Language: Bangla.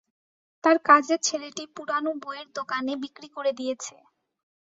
তাঁর কাজের ছেলেটি পুরানো বইয়ের দোকানে বিক্রি করে দিয়েছে।